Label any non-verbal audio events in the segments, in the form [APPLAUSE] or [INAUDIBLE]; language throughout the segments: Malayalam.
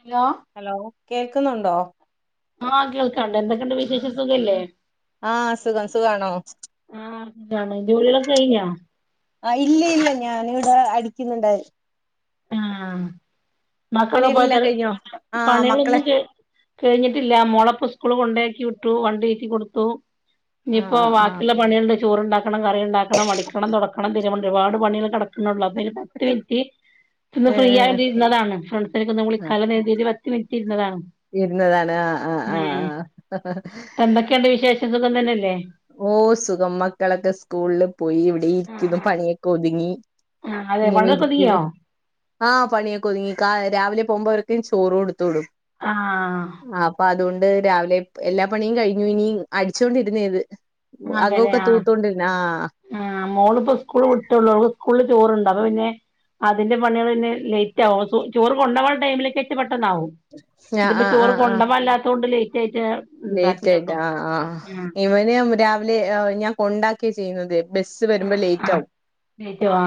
ഹലോ ഹലോ കേൾക്കുന്നുണ്ടോ ആ കേൾക്കാണ്ട് എന്തൊക്കെയുണ്ട് വിശേഷം സുഖല്ലേ ആഹ് സുഖം സുഖാണോ ആ ന്താണ് ജോലികളൊക്കെ കഴിഞ്ഞോ ആ ഇല്ല ഇല്ല ഞാനിവിടെ അടിക്കുന്നുണ്ട് ആ മക്കക്കൊ പണിയെല്ലാം പോയിട്ടൽ കഴിഞ്ഞോ ആഹ് മക്കളെ പണികളൊന്നും കഴി കഴിഞ്ഞിട്ടില്ല മോളെ പ്പൊ സ്കൂളിൽ കൊണ്ടേക്കി വിട്ടു വണ്ടേറ്റി കൊടുത്തു ഇനിപ്പോ ആഹ് ആഹ് ബാക്കിള്ള പണികള്ണ്ട് ചോറുണ്ടാക്കണം, കറിയുണ്ടാക്കണം, അടിക്കണം, തൊടക്കണം, തി ഒരുപാട് പണികൾ ങ്ങ്നെ കിടക്കുന്നോണ്ട് അപ്പയ്നി പത്ത് മിനിറ്റ് ഇന്ന് ഫ്രീ ഏഹ് ആയിട്ടിര്ന്നതാണ് ഫ്രണ്ട്സിനൊക്ക ഒന്ന് ആഹ് വിളിക്കാലോന്നര്തീറ്റ് പത്ത് മിൻട്ട് ഇരുന്നതാണ് ഇരുന്നതാണ് ആഹ് ആഹ് ഉം ആഹ് ആഹ് ഇപ്പന്തൊക്കെയണ്ട് വിശേഷം സുഖം തന്നെ അല്ലേ ഓഹ് സുഖം മക്കളക്കെ സ്കൂള്ള് പോയി. ഇവിടെ ഇരിക്കുന്നു ആഹ് പണിയക്കൊതുങ്ങി അതെ ഇങ്ങനെ പണികളൊക്കെ ഇരിക്ക്ന്നു ഒതുങ്ങിയോ ആഹ് പണിയൊക്കൊതുങ്ങി കാ രാവിലെ പോവുമ്പോര് ക്കയ്ന് ചോറൊടുത്ത് വിടും ആഹ് ആഹ് അപ്പൊ അതുകൊണ്ട് രാവിലെ എല്ലാ പണിം കഴിഞ്ഞോനി അടിച്ചോണ്ടിര്ന്നേത് അതെല്ലെയ ആ ആഹ് ആ മോളിപ്പോ സ്കൂള് വിട്ടള്ളൂ ഓൾ സ്കൂള് ചോറ് അപ്പൊ പിന്നെ അതിന്റെ പണികൾ പിന്നെ ലേറ്റ് ആവും ചോറ് കൊണ്ടോവാൻ ടൈമിലേക്ക് [UNINTELLIGIBLE] ട്ടണ്ടാവും ആഹ് ഇതിപ്പൊ ചോറ് കൊണ്ടോവാൻല്ലാത്തോണ്ട് ലേ ലേറ്റായിട്ട് ആ ആ ഇവന് രാവിലെ ഞാൻ കൊണ്ടാക്കിയ ചെയ്യുന്നത് ബസ്സ് ആ വരുമ്പോ ആ ലേറ്റ് ആ ആകും ലേറ്റ് ആ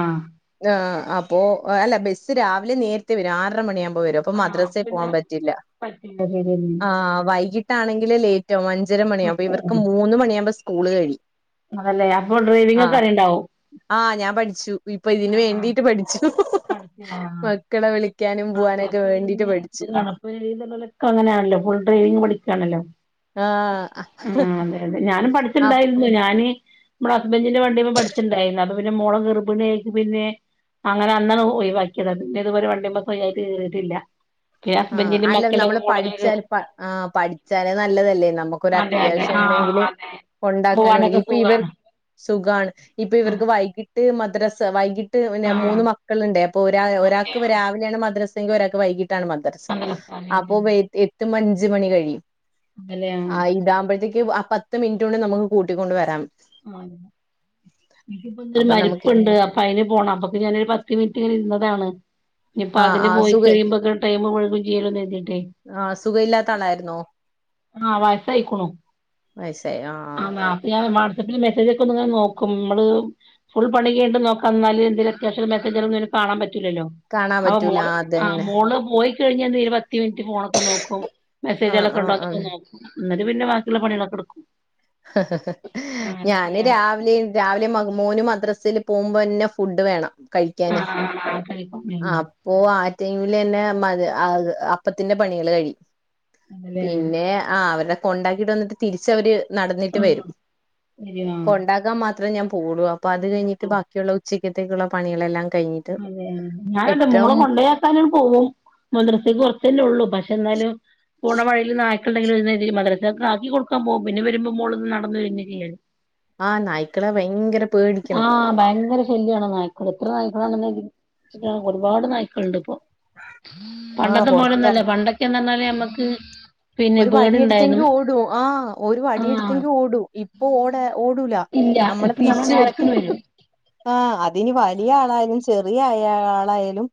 ആ അപ്പോൾ അല്ല ബസ്സ് രാവിലെ നേരത്തെ വരും ആറര മണിയാകുമ്പോൾ പ്പോവരും അപ്പോ ആ അപ്പൊ മദ്രസൽ പിന്നെ പോവാൻ പറ്റില്ല. പറ്റില്ല ശരിയെന്നെ ആ വൈകി എങ്കിലേ ലേറ്റ് ആകും അഞ്ചര മണിയാകും അപ്പ ഇവർക്ക് മൂന്ന് മണിയാവുമ്പോ സ്കൂള് കഴി അല്ലേ അപ്പൊ ഡ്രൈവിംഗൊക്കെ അറിയ്ണ്ടാവും ആ ഞാൻ പഠിച്ചു ഇപ്പൊ ഇതിന് ആ വേണ്ടിട്ട് പഠിച്ചു പഠിച്ച് ആ മക്കളെ വിളിക്കാനും ആ അതെ പോവാനൊക്കെ അപ്പൊ വേണ്ടീട്ട് പിന്നെ പഠിച്ചു പെരീല് ല്ലോ ലൊക്കെ അങ്ങനെയാണല്ലോ ഫുൾ ഡ്രൈവിങ് പഠിക്കാണല്ലോ ആ ആ അതെ അതെ ഞാനും ആ പഠിച്ച്ണ്ടായിരുന്നു ഞാന് [UNINTELLIGIBLE] ഹസ്ബന്റിന്റെ വണ്ടിമ്മേ പഠിച്ച്ണ്ടായിരുന്നു അപ്പൊ പിന്നെ മോള ഗർഭിണിയായപ്പോ പിന്നെ അങ്ങനെ അന്നാണ് ഒഴിവാക്കിയത പിന്നെ ഇതുവരെ വണ്ടി മ്മേ പ്പയ്നാറ്റ് കേറീട്ട്‌ല്ല. ആഹ അല്ല നമ്മള് പഠിച്ചാല് ആ പഠിച്ചാല് നല്ലതല്ലേ നമുക്കൊരു അതെ അതെ ആഹ് അത്യാവശ്യണ്ടെങ്കില് അതെ കൊണ്ടാക്കാ [UNINTELLIGIBLE] പോവാനൊക്കെ ഇപ്പൊ ഇവർ സുഖാണ് സുഖാണ് ഇപ്പൊ അതെ ഇവർക്ക് വൈകി ട്ട് മദ്രസ വൈകിട്ട് പിന്നെ ആഹ് മൂന്ന് മക്കള്ണ്ട് അപ്പൊ ഒരാ ഒരാൾക്ക് അതെയോ രാവിലെണ് മദ്ര സ് [UNINTELLIGIBLE] ഒരാക്ക് വൈകിട്ടാണ് മദ്രസ നല്ല അപ്പൊ സ്ഥലേനല്ലോ വൈകിട്ട് എത്തുമ്പോ അഞ്ച് മണി കഴിയും. അതല്ലേ ആ ആഹ് ഇതാവുമ്പഴത്തേക്ക് ആ പത്ത് മിന്‌റ്റ് കൊണ്ട് നമുക്ക് കൂട്ടിക്കൊണ്ട് വരാം ആണ് [UNINTELLIGIBLE] രു അപ്പൊ നമുക്ക് മരിപ്പുണ്ട് അപ്പൊ അയിന് പോണം അപ്പൊക്ക ഞാനൊരു പത്ത് മിനിറ്റ് ഇങ്ങനെ ഇര്ന്നതാണ് നി ഇപ്പൊ ആ അതിന് ആ പോയി സുഖ കഴിയുമ്പോക്ക് ടൈം മുഴുകും ചെയ്യല്ലോ ന് കരുതി ആ സുഖ ഇല്ലാത്ത ആളായിര്ന്നോ ആ വയസായിക്ണു ആ [UNINTELLIGIBLE] വാട്സപ്പിൽ മെസ്സേജ് ഒക്കെന്ന്ങ്ങനെ നോക്കും ഇമ്മള് ഫുൾ പണി ഉണ്ട് നോക്ക എന്നും എന്തി അത്യാശ്യ മെസജ കാണാ പറ്റും ട്ടില്ലല്ലോ കാണാൻ ആ പറ്റൂല മോള് ആ അതന്നെ മോള് പോയി [UNINTELLIGIBLE] ഒരു പത്ത് മിൻറ്റ് ഫോണൊക്കെ നോക്കും ആ ആ ആ മെസ്സേജാളൊക്കെണ്ടോന്നൊക്കെ നോക്കും ന്നട്ട് പിന്നെ ബാക്കിള്ള പണികളൊക്കെ ടുക്കും ഞാന് രാവിലെ രാവിലെ മോന് മദ്ര സിൽ പോകുമ്പോന്നെ ഫുഡ് വേണം കഴിക്കാന് ആഹ് ആഹ് കഴിക്കും ഉം അപ്പൊ ആ ടൈമിലെന്നെ മതി അത് അപ്പത്തിന്റെ പണികള് കഴിയും അതല്ലേ പിന്നെ ആ അവരുടെ കൊണ്ടാക്കിട്ട് വന്നിട്ട് തിരിച്ചവര് നടന്നിട്ട് ഉം വരും ശരിയാ കൊണ്ടാക്കാൻ മാ ത്രം ഞാൻ പോവുള്ളു അപ്പോ അത് കഴിഞ്ഞിട്ട് ബാക്കിയുള്ള ഉച്ചക്കത്തേക്കുള്ള പണികളെല്ലാം കഴിഞ്ഞിട്ട് അതെ ഞാനെൻറ്റെ എട്ടര മോളെ കൊണ്ടോയാക്കാന് പോവും മദ്രസക്ക് കുറച്ചല്ലേ ഉള്ളൂ പക്ഷെ എന്നാലും പോണവഴീല് നായ് ഉണ്ടെങ്കില് എഴുന്നേറ്റിട്ട് മദ്രസക്ക് ആക്കി കൊടുക്കാൻ പോകും പിന്നെ വരുമ്പോ മോളുനടന്നു തന്നെ ചെയ്യല് ആ നായ്ക്കളെ ഭയങ്കര പേടിക്കണം ആഹ് ഭയങ്കര ശല്യാണ് നായ്ക്കൾ എത്ര നായ്ക്കളാണൊള്ളെന്നു ഒരുപാട് നായ്ക്കളുണ്ട് ഇപ്പൊ ആഹ് പണ്ടത്തെ പൊറത്തെറ പോലന്നൂല്ലാ പണ്ടൊക്കെന്ന് പറഞ്ഞാല് ഞമ്മക്ക് ഒരു വടിയെടുത്തെങ്കി ഓടും ആ ഒരു ആഹ് വടിയെടുത്തെങ്കി ഓടും ഇപ്പൊ ഓടേ ഓടൂല ഇല്ല നമ്മളെ ഇപ്പൊ നമ്മള് തിരിച്ചുവരും നേരത്തിന് വരും ആ അതിനി വലിയ ആളായാലും ശെ ചെറിയായ ആളായാലും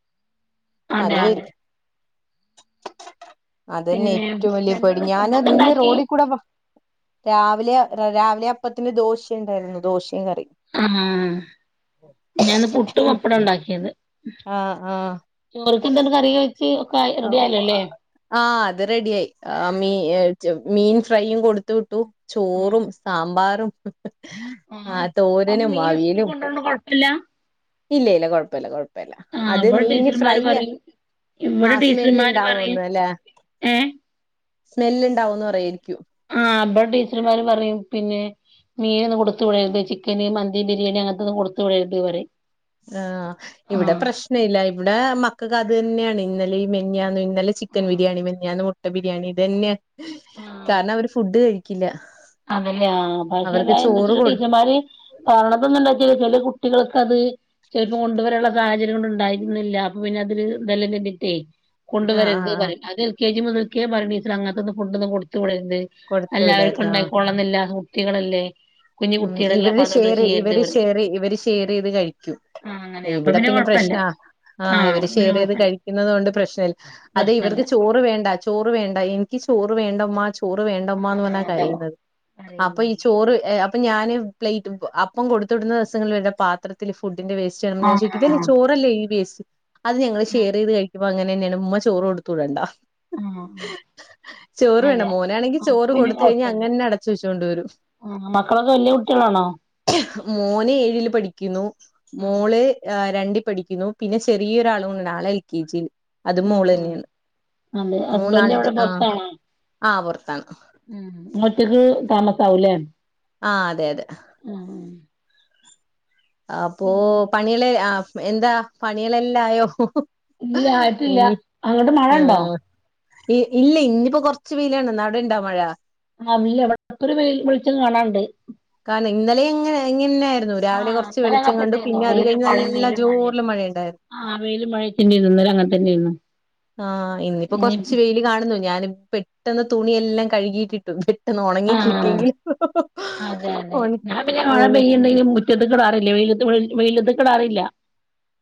അതെ അത് അതെ വരും പിന്നെ [UNINTELLIGIBLE] എന്താ ഞൻ ഫുഡൊക്കെ നിന്ന് ഇണ്ടാക്കി റോഡിൽ കൂടെ രാവിലെ റേ രാവിലെ അപ്പത്തിന് ദോശയ ഉണ്ടായിരുന്നു ദോശ ആഹ് ഞാൻ പുട്ടും പപ്പടം ഉണ്ടാക്കിയത് ആഹ് ആഹ് ചോറക്കെന്താ കറി വെച്ച് ഒക്കെ ആയി റെഡി ആയല്ലോല്ലേ [UNINTELLIGIBLE] ആഹ് അത് റെഡി ആയി ആഹ് [UNINTELLIGIBLE] മീൻ ഫ്രൈയും കൊടുത്ത് വിട്ടു ചോറും സാമ്പാറും ഉം ആഹ് അപ്പൊ തോരനും മീൻ സ്കൂളിൽ അവിയലും കൊണ്ടോന്ന് കൊഴപ്പില്ല ഇല്ല ഇല്ല കൊഴപ്പല്ല കൊഴപ്പല്ല ആഹ് അത് ഇവിടെ മീന് ഫ്രൈ ടീച്ചർമാര് പറയും ഇവിടെ ആഹ് സ്മെല് ടീച്ചർമാര് പറയും ഇണ്ടാവുമന്നല്ലേ ഏഹ് ആഹ് ഇവിടെ ടീച്ചർമാര് പറയും പിന്നെ മീനൊന്നും കൊടുത്തു വിടരുത് ചിക്കന് മന്തിയും ബിരിയാണി അങ്ങനത്തെന്നും കൊടുത്തു വിടരുത് എന്ന് പറയും ആഹ് ഇവിടെ ആഹ് പ്രശ്ന ഇല്ല ഇവിടെ മക്കൾക്ക് അത് തന്നെയാണ് ഇന്നലെ ഈ മിനിയാന്ന് നല്ല ചിക്കൻ ബിരിയാണി മെന്ന് ഞാൻ മുട്ട ബിരിയാണി ഇത് തന്നെയാ ആഹ് കാരണം അവര് ഫുഡ് കഴിക്കില്ല അതല്ലേ ആഹ് പക്ഷെ അവർക്ക് അതാ എന്താ ചോറ് വെച്ചിട്ട കൊടു ടീച്ചർമാര് പറയണതൊന്ന് വച്ച ചില കുട്ടികൾക്ക അത് ചെലപ്പം കൊണ്ടുവരാനുള്ള സാഹചര്യം കൊണ്ട് ഉണ്ടായിരുന്നില്ല അപ്പൊ പിന്നെ അതൊരു ലിമിറ്റ് ആഹ് കൊണ്ടുവരരുത് ആഹ് ആഹ് പറയും അത് എൽ കെ ജി മുതൽക്കേ പറയും ടീച്ചർ അങ്ങനത്തൊന്ന് ഫുഡ് ഒന്നും കൊടുത്തു വിട രുത് കൊടുത്ത് എല്ലാവർക്കും വിടായിരുന്നു ഉണ്ടാ ആഹ് ല്ല കുട്ടികളല്ലേ ഉം കുട്ടികളല്ലേ അപ്പൊ ഇവര് അതുകൊണ്ട് ഷെയർ ചെയ്യരുത് ഇവര് പറയും ഷെയർ ഇവര് ഷെയർ ചെയ്ത് കഴിക്കൂ ആ അങ്ങനെ അപ്പൊ ഇവിടെ പിന്നെ കൊഴപ്പല്ല പ്രശ്ന ആഹ് ആ ആഹ് ഇവര് അപ്പൊ പിന്നെ ഷെയർ ചെയ്ത് കൊഴപ്പല്ല കഴിക്കുന്നത് കൊണ്ട് പ്രശ്നല്ല അതേ പ്രശ്നല്ല ഇവർക്ക് ചോറ് വേണ്ട ചോറ് വേണ്ട എനിക്ക് ചോറ് വേണ്ട ഉമ്മ ചോറ് വേണ്ട ആ ഉമ്മന്ന് പറഞ്ഞാ അതാ കരയുന്നത് അപ്പൊ ഈ പറയുന്നത് ചോറ് ഏ അപ്പം ഞാൻ പ്ലേറ്റ് അപ്പം കൊടുത്ത വിടുന്ന ദിവസങ്ങൾ പാത്രത്തിൽ ഫു ഡ്ന്റെ വേസ്റ്റ് കാണുമ്പോ ആ ഞാൻ ചോദിക്കും ആ ചോറല്ലേ ഈ വേസ് അത് ഞങ്ങള് ഷെയർ ചെയ്ത് കഴിക്ക്പ അങ്ങനതന്നെയാണ് ഉമ്മ ചോറ്കൊടുത്തൂ വിടണ്ട ആഹ് ചോറ് വേണ്ട അതെ മോനാണെങ്കിൽ ചോറ് അപ്പംപിന്നേ കൊടുത്ത് കഴിഞ്ഞാ കുഴപ്പല്ല അങ്ങനെ തന്നെ അടച്ച് വെച്ചോണ്ട് വരും ആഹ് മക്കളോ വല്യ കുട്ടികളാണോ [UNINTELLIGIBLE] പഠിക്കുന്നു ആഹ് മോള് [UNINTELLIGIBLE] രണ്ടിൽ പഠിക്കുന്നു പിന്നെ ചെറിയൊരാളും ആളെ എൽ കെ ജിയിൽ അത് മോള് ആഹ് ആഹ് തന്നെയാണ് അതെ ഹസ്ബൻഡ് മൂന്നാളുണ്ട് എവിടെ ആഹ് പുറത്താണോ ആഹ് പുറത്താണ് ആഹ് നിങ്ങ ഒറ്റക്ക് താമ [UNINTELLIGIBLE] ആഹ് അതെയതെ അപ്പോ പണികള് ആഹ് എന്താ പണികളെല്ലായോ ഇല്ല ആയിട്ടില്ല എനി അങ്ങോട്ട് മഴ ഉണ്ടോ? ആഹ് ഇല്ല ഇനിപ്പോ കൊറച്ച് വെയിലാണ് അടെ ഇണ്ടാ മഴ അല്ല എവിടെ ഒരു വെ വെളിച്ചം കാണാണ്ട് കാരണം ഇന്നലെ എങ്ങനെ ഇങ്ങനെയായിരുന്നു രാവിലെ ആഹ് കുറച്ച് ഇന്നലെ അങ്ങനെ വെളിച്ചം കണ്ടു തന്നെയായിരുന്നു പിന്നെ അത് കഴിഞ്ഞ് നല്ല ജോറ മഴയ ഉണ്ടായിരുന്നു ആ വെയിൽ മഴത്തിന്റെ ഇന്നും അങ്ങനെത്തന്ന ഇന്നരുന്നു ആഹ ഇന്നിപ്പോൊ കൊറച്ച വെയിയില് കാണുന്നു ഞാൻ പെട്ടെന്ന് തുണിയെല്ലാം കഴുകിട്ടിട്ടും ന്ന് ഉണങ്ങി ആഹ് കിട്ടിയെങ്കിൽ അതെ അതെ ഒണ ഞാൻ പിന്നെ മഴ ഓന് പെയ്യുണ്ടെങ്കിലും റ്റ കിടാറില്ല വെ വെയില എത് കിാറില്ല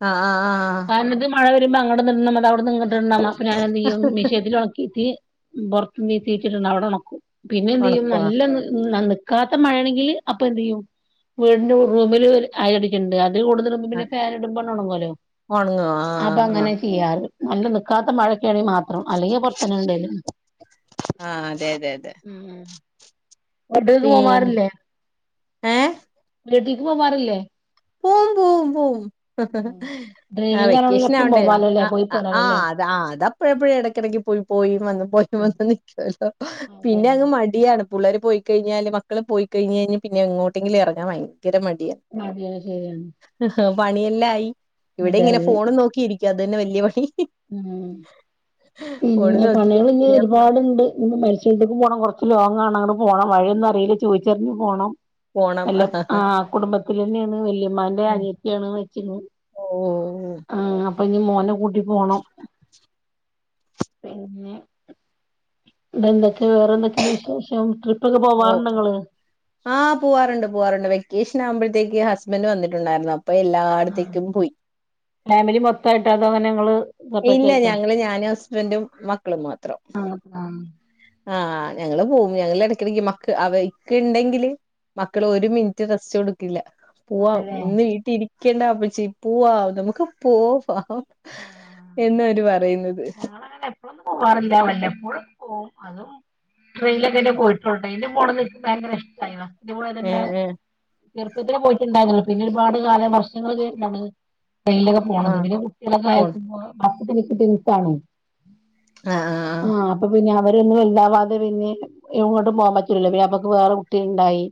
ആഹ ആഹ് ആഹ് മഴ വരുമ്പോ അങ്ങട്ട് ഒന്നിടണം അവിടെ നി ഇങ്ങട്ടുമിടണം അപ്പൊ ഞാൻ എന്ത് ചെയ്യും മിഷീനിൽ ഉണക്കീട്ട് പുറത്ത് നീ തീറ്റിട്ടുണ്ട് അവിടെ നോക്കും പിന്നെ എന്താ ചെയ്യും ഒണക്കോ നല്ല ക്കാത്ത മഴയാണെങ്കിൽ അപ്പൊ എന്ത് ചെയ്യും വീടിന്റെ റൂമില് അയൽ കെട്ടീട്ട് ഉണ്ട് കൂടുതൽ പിന്നെ ആഹ് ഫൻ ഇടുമ്പ ഉണങ്ങല്ലോ ഒണങ്ങോ അപ്പൊ ആഹ് അങ്ങനെ ആഹ് ചെയ്യാറ് നല്ല നിൽക്കാത്ത മഴ [UNINTELLIGIBLE] മാത്രം അല്ലെങ്കി പൊറത്തന്നെ ഇടല് ആഹ് അതെ അതെ അതെ [UNINTELLIGIBLE] ഇടക്ക് പിന്നെ പോവാറില്ലേ ഏഹ് വിട്ടിൽക്ക് പോവാറില്ലേ? [INAUDIBLE] ആ ഡ്രൈവിംഗ് ആണല്ലോ വെക്കേഷൻ എപ്പഴും ആവണ്ടേ പോവാലോല്ലേ അ പോയി ആ പോരാലോല്ലേ അത് അതപ്പഴും എപ്പഴും എടക്ക് [UNINTELLIGIBLE] പോയിം വന്ന് പോയിം വന്ന് നിക്കോല്ലോ പിന്നെ അങ്ങ് മടിയാണ്. പുള്ളാര് പോയിക്കഴിഞ്ഞാല് മക്കള് പോയി കഴിഞ്ഞാഞ് പിന്നെ ഇങ്ങോട്ടെങ്കിലും എറങ്ങാൻ ഭയങ്കര മടിയാ [UNINTELLIGIBLE] ണ് പണിയെല്ലായി ഇവിടെങ്ങനെ ഫോണും നോക്കിയിരിക്ക ഇത് തന്നെ വല്ല്യപണി മ് ഫോണ് പിന്നെ നോക്കി പണികളിഞ്ഞ് ഒരുപാട്ണ്ട് ഇനി പ്പോ മരിച്ചോട്ത്ത് [UNINTELLIGIBLE] പോണം കൊറച്ച് ലോങ്ങാണ് അങ്ങട് പോണം വഴിയൊന്നറീല ചോയ്ച്ചറിഞ്ഞ് പോണം പോണം എല്ലാ ആ കുടുംബത്തിലന്നെയാണ് വല്യമ്മായിന്റെ അനിയത്തിയാണ് മെരിച്ച്ക്ക്ണേ ഉം അപ്പൊഞ്ഞ് മോനെ കൂട്ടി പോണം പിന്നെ എന്തൊക്കെ വേറെന്തൊക്കെണ്ട് വിശേഷം ട്രി [UNINTELLIGIBLE] ഓ ആഹ പോവാറ്ണ്ട് പോവാറ്ണ്ട് വെക്കേഷൻ ആകുമ്പഴത്തേക്ക് ഹസ്ബന്റ് വന്നിട്ട്ണ്ടായിരുന്നു അ [UNINTELLIGIBLE] പ്പോ എല്ലായിടത്തേക്കും പോയി ഫാമിലി മൊത്തായിട്ടോ അതോ അങ്ങനെ നിങ്ങള് സെപ്പറേറ്റ് ഇല്ല ആയിട്ടോ ഞങ്ങള് ഞാനും ഹസ്ബന്റും മക്കളും മാത്രം ആ ആ ആ് ഞങ്ങള് പോവും ഞങ്ങള് എടക്കടക്ക് മക്ക് അവ ഇക്ക ഇണ്ടെങ്കില് മക്കള് ആ ഒരു മിനിറ്റ് റസ്റ്റ് കൊടുക്കില്ല പോവാം അതല്ലേ ഇന്ന് വീട്ടീരിക്കേണ്ടാപ്പച്ചി പോവാം നമുക്ക് പോവാം ആഹ എന്ന അവര് പറയുന്നത് ഇങ്ങള് പോവാറുണ്ടോ എപ്പൊഴുന്നുല്ല വലപ്പോഴും ഒന്ന് പോവും അതും ട്രെയിനിലൊക്കെ പോയിട്ടോ [UNINTELLIGIBLE] എ [UNINTELLIGIBLE] മോ [UNINTELLIGIBLE] ഭയങ്കര ഇഷ്ടായി ണ് ട്രെയിന് ഏ പോയതെന്നെ ഏ ചെറുപ്പത്തിലേ പോയിട്ടുണ്ടായിന്നൊള്ളു പിന്നെ ഒരുപാട് കാലം വർഷങ്ങൾ ശേഷാ പോണേ ട്രെയിനിലൊക്കെ ആ പോണത് പിന്നെ കുട്ടികളൊക്കെ പോണം ആയോക്കുമ്പോ [UNINTELLIGIBLE] ടിൻസാണ്. ആഹ ആഹ്ഹ അവരൊന്നു വെല്താവാതെ പിന്നെ എങ്ങട്ടും പോകാ പറ്റൂലല്ലോ പിന്നെപ്പോഴേക്ക് വേറെ കുട്ടിണ്ടായി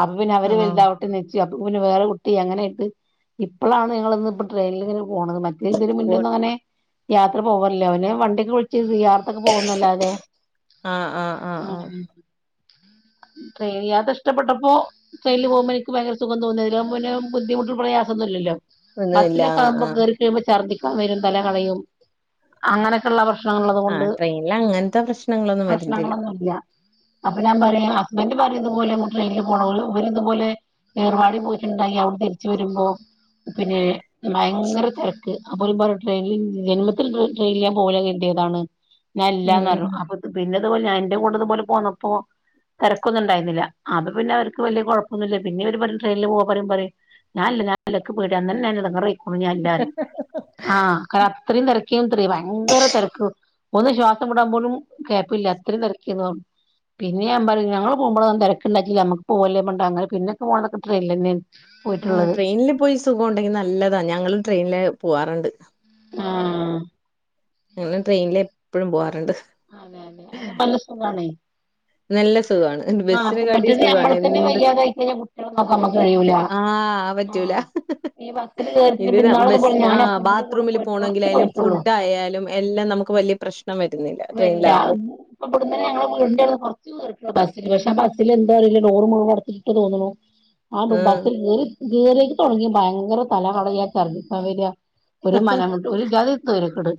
അപ്പൊ പിന്നെ അവര് ആഹ് ആഹ് വലുതാവട്ടേന്ന്ച്ച് [UNINTELLIGIBLE] പ്പ പിന്നെ വേറെ കുട്ടി അങ്ങനെയായിട്ട് ഇപ്പളാണ് ഞങ്ങളൊന്ന് ഇപ്പം ട്രെയിനിൽങ്ങനെ പോണത് മറ്റേ പോ ഇതിനമുന്നേന്നും അങ്ങനെ യാത്ര പോവാറില്ല അവന് വണ്ടി [UNINTELLIGIBLE] സിയാർത്തൊക്കെ പോകുന്നല്ലാതെ ആഹ് ആഹ് ആഹ് അ ആഹ് ട്രെയിന് യാത്ര ഇഷ്ടപ്പെട്ടപ്പോ ട്രെയില് പോവുമ്പോ എനിക്ക് ഭയങ്കര സുഖം തോന്നി അയിലാവുമ്പോ പിന്നെ ബുദ്ധിമുട്ടും പ്രയാസൊന്നുല്ലല്ലോ ഒന്നുമില്ല ബസ്സിലൊക്കെ ആഹ് ആകുമ്പോ ആഹ് കയറി കഴിയുമ്പോ ഛർദ്ദിക്കാൻ വരും തല കളയും അങ്ങനെയൊക്കെള്ള പ്രശ് [UNINTELLIGIBLE] ള്ളത് കൊണ്ട് ആഹ് ട്രെയിനിൽ അങ്ങനത്തെ പ്രശ്നങ്ങളൊന്നും വരുന്നില്ല പ്രശ്നങ്ങളൊന്നുല്ല അപ്പൊ ഞാൻ പറയാ ഹസ്ബന്റ് പറയും ഇതുപോലെ [UNINTELLIGIBLE] ട്രെയിനിൽ പോണാ ഇവരിതുപോലെ ഏർവാടി പോയിട്ടുണ്ടായി അവിടന്ന് തിരിച്ച് വരുമ്പോ പിന്നെ ഭയങ്കര തിരക്ക് അ പോലും പറഞ്ഞട്ട ജന്മ [UNINTELLIGIBLE] യിൽ ട്രെയിനിൽ പോവൂല കരുതിയാണ് ഞാൻ ഇല്ലന്ന് പറഞ്ഞു ഉം അപ്പ പിന്ന അതുപോല ഞാൻ എന്റെ കൂടുത പോലെ പോന്നപ്പോ തെരക്കൊന്നും ഉണ്ടായിരുന്നില്ല അത് പിന്നെ അവർക്ക് വലിയ കുഴപ്പൊന്നുമില്ല പിന്നിം ഓര് പറയും ട്രെയിനിൽ പോവാ പറിമ് ഞാനില്ല ഞാനില്ല ഇക്ക് പേടിയാ ഇന്നലെന്നെ ഞാന് ഇടങ്ങറായിക്ക് കുഞ്ഞല്ല ആഹ ക അത്രയും തിരക്കേുംത്ര ഭയങ്കര തിരക്ക് ഒന്ന് ശ്വാസം വിടാൻ പോലും ഗാപ്പില്ല അത്രയും തെരകെന്നു പറഞ്ഞു പിന്നെ ഞാൻ പറയും ഞങ്ങള് പോകുമ്പോൊ ഒന്നും തിരക്കണ്ടായിട്ടില്ല നമുക്ക് പോവല്ലേ പറഞ്ഞിട്ട് അങ്ങനപിന്നെ പിന്നെ പോവാലൊക്കെ ട്രെയിൻല്ല ആ ട്രെയിനിൽ പോയി സുഖം ഉണ്ടെങ്കി നല്ലതാ ഞങ്ങളും ട്രെയിനില് പോവാറുണ്ട് ആ... ഹ് ഞങ്ങള് ട്രെയിനില് എപ്പോഴും പോവാാറുണ്ട് അതെ അതെ അതാവുമ്പോ നല്ല സുഖണേ നല്ലത് ുഖ ബട്ട സ ഞമ്മൾക്കന്നെ വയ്യാതായി കഴിഞ്ഞാ കുട്ടികളെ നോക്കാൻ നമ്മക്ക് കഴിയൂല ആ പറ്റ ആഹ് ഈ ബസ്സില് കേറിട്ട് ഇന്നാളതുപോലെ [UNINTELLIGIBLE] ഞാൻ ഹസ്ബന്റിന്റെ ബാത്റൂം കൂടെ പോയിട്ട് കൊറച്ച് പോണെങ്കാലും പോയിട്ടുള്ളൂ ഫുഡ് ആയാലും [UNINTELLIGIBLE] എല്ലാം നമുക്ക് വലിയ പ്രശ്നം വരും വെല്ലാ ഇപ്പം ഇബ്‌ടുന്ന ഞങ്ങടെ അവിടന്ന് കുറച്ച് ബസ്ൽ പക്ഷെ ബസ്സിൽ എന്തറില്ല്യ ഡോർ മുഴുവൻ അടച്ചിട്ടു തോന്നണു ഉം [UNINTELLIGIBLE] തുടങ്ങി ഭയങ്കര തല കടയ ഛർദിക്കാൻ വരാ ഒരു മനംമുട്ട ഒരു ജാതിസോയാര്യ കേട്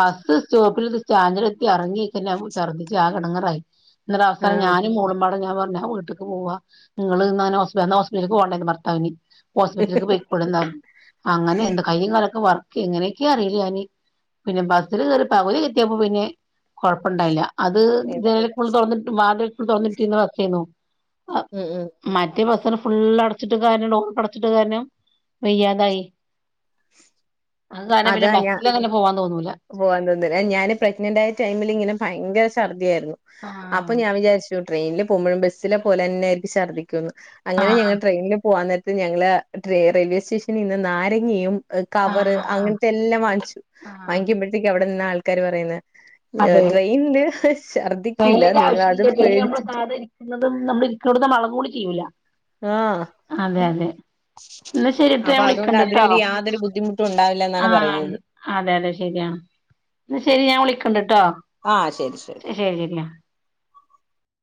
ബസ്സ് സ്റ്റോപ്പിൽ ഒരു സ്റ്റാന്ഡിലെത്തി ഇറങ്ങി [UNINTELLIGIBLE] ഛർദ്ച് ആകെ എടങ്ങാറായി ഇന്നട്ട് അവസാനം ആഹ് ഞാനും മോളുമ്പാടെ [UNINTELLIGIBLE] ഞാൻ വീട്ടിക്ക്‌ പോവാ നിങ്ങൾ ഹോസ്പിറ്റലേ പോണ്ടേ ഭർത്താവിന് ഹോസ്പിറ്റലക്ക് പോയിക്കൂടുന്നതാകും അങ്ങനെ എന്താ കയ്യും കാലൊക്കെ വർ എങ്ങനെയൊക്കെയാ അറിയില്ല ഞാന് പിന്നെ ബസ്സിൽ കയറി പകുതി കെത്തിയപ്പോ പിന്നെ കൊഴപ്പുണ്ടായില്ല അത് അതെ ജനൽ ഫുൾ തുറന്നിട്ട് വാതിൽ ഫുൾ തുറന്നിട്ടും കടകയ്നി ആ ഉം ഉം മറ്റെ ബസ്സൻ ഫുള്ള് അടച്ചിട്ട് കാര്യം [UNINTELLIGIBLE] അടച്ചിട്ട് കര്യം വെയ്യാതായി അത് കാരണം പിന്നെ അതാ ഞാ ബസ്സിലങ്ങനെ പോവാൻ തോന്നൂല പോവാൻ തോന്നില്ല ഞാന് പ്രഗ്നന്റ് ആയി ടൈമിൽ ഇങ്ങനെ ഭയങ്കര ഛർദിയായിരുന്നു അപ്പൊ ആഹ് ഞാൻ വിചാരിച്ചു ട്രെയിനിൽ പോക്പോഴും ബസ്സില പോലെന്നൊയിരിക്കും ശഛർദിക്കുന്നു അങ്ങനെ ഞങ്ങള് ട്രെയിനിൽ പോകവാ ഞങ്ങള് ട റെയിൽവേ സ്റ്റേഷനിന്ന് നാരങ്ങിയും കവറ് ആഹ് അങ്ങനത്തെ എല്ലാം വാങ്ങിച്ചു ആഹ് വാങ്ങിക്കുമ്പഴത്തേക്ക അവിടെ നിന്ന ആൾക്കാാര് പറയുന്നെ അതെ ട്രെയിനിൽ ഹ്.. ഹ്.. ഷർദിക്കില്ല ട്രെയിനിന്റെ നിങ്ങള അത് പേടിച്ചിട്ട് ഇടുന്ന മളം കൂടി ചെയ്യൂല [UNINTELLIGIBLE] ആഹ എന്ന ശരിട്ട് ഞാൻ വിളിക്കണ്ടട്ടോ യാതൊരു ബുദ്ധിമുട്ടും ഉണ്ടാവില്ല ആ എന്നാണ് പറയുന്നത് അതെ അതെ ശെരിയാണ് ന്നാ ശെരി ഞാൻ വിളിക്കണ്ട്ട്ടോ ആഹ് ശരി ശരി ശരി ശര